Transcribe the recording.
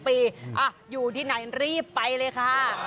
ปีอยู่ที่ไหนรีบไปเลยค่ะ